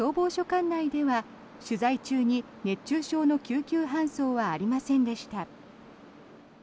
管内では取材中に熱中症の救急搬送はありませんでした。